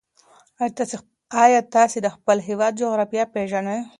ایا تاسې د خپل هېواد جغرافیه پېژنئ؟